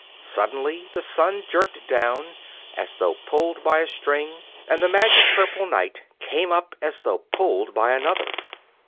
Suddenly the sun jerked down, as though pulled by a string, and the magic purple night came up as though pulled by another.